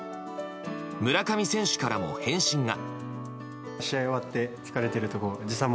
村上選手からも返信が。